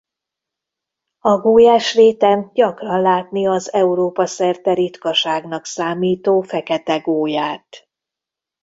A Gólyás-réten gyakran látni az Európa-szerte ritkaságnak számító fekete gólyát.